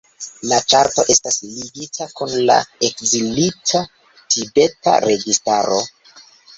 La ĉarto estas ligita kun la Ekzilita tibeta registaro.